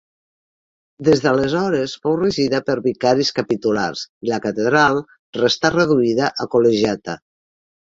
Des d’aleshores fou regida per vicaris capitulars i la catedral restà reduïda a col·legiata.